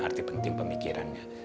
arti penting pemikirannya